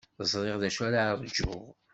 Ẓriɣ d acu ara ṛjuɣ.